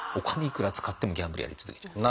いくら使ってもギャンブルやり続けちゃう。